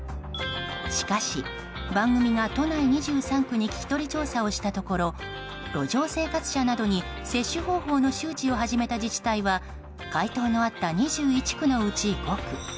しかし番組が都内２３区に聞き取り調査をしたところ路上生活者などに接種方法の周知を始めた自治体は回答のあった２１区のうち５区。